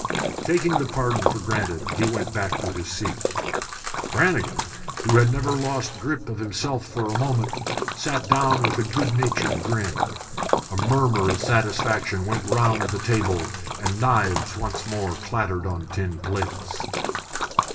Taking the pardon for granted, he went back to his seat. Brannigan, who had never lost grip of himself for a moment, sat down again with a good natured grin. A murmur of satisfaction went round the table, and knives once more clattered on tin plates.